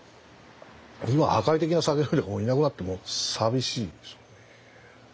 今破壊的な酒飲みがいなくなって寂しいですよね。